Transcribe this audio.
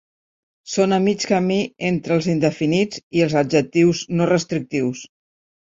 Són a mig camí entre els indefinits i els adjectius no restrictius.